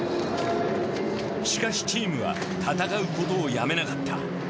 しかしチームは戦うことをやめなかった。